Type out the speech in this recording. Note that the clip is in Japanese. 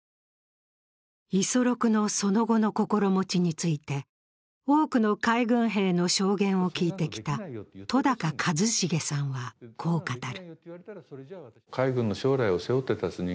五十六のその後の心持ちについて、多くの海軍兵の証言を聞いてきた戸高一成さんは、こう語る。